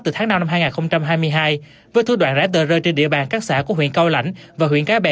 từ tháng năm năm hai nghìn hai mươi hai với thứ đoạn rãi tờ rơi trên địa bàn các xã của huyện cao lãnh và huyện cá bè